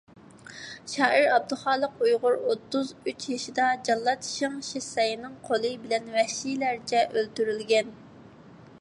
شائىر ئابدۇخالىق ئۇيغۇر ئوتتۇز ئۈچ يېشىدا جاللات شېڭ شىسەينىڭ قولى بىلەن ۋەھشىيلەرچە ئۆلتۈرۈلگەن.